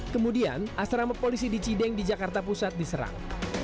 kemudian asrama polisi di cideng di jakarta pusat diserang